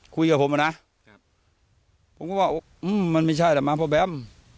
คุยกับผมมานะเพราะผมว่ามันไม่ใช่แล้วมาเพราะแบม